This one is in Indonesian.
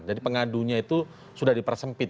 jadi pengadunya itu sudah dipersempit